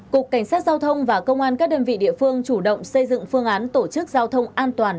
cục cảnh sát giao thông và công an các đơn vị địa phương chủ động xây dựng phương án tổ chức giao thông an toàn